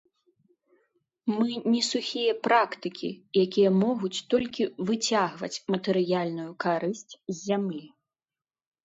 Мы не сухія практыкі, якія могуць толькі выцягваць матэрыяльную карысць з зямлі.